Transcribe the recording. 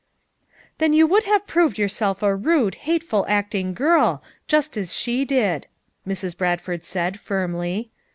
"Then you would have proved yourself a rude, hateful acting girl, just as she did," Mrs. Bradford said firmly.